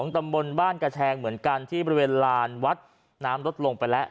ตำบลบ้านกระแชงเหมือนกันที่บริเวณลานวัดน้ำลดลงไปแล้ว